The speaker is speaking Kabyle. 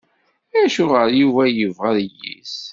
Acuɣer Yuba yebɣa ayis?